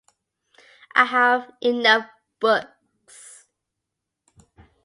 میرے پاس کافی کتابیں ہیں